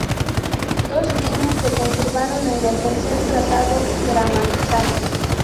Dos líneas se conservaron en el "Tercer tratado gramatical".